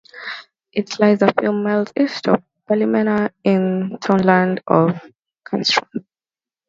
It lies a few miles east of Ballymena, in the townland of Carnstroan.